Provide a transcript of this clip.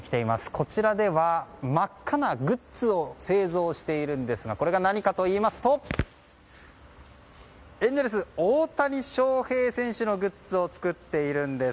こちらでは真っ赤なグッズを製造しているんですがこれが何かといいますとエンゼルス、大谷翔平選手のグッズを作っているんです。